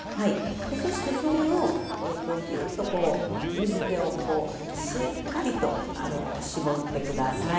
そしてそれをぎゅっと水けをしっかりと絞ってください。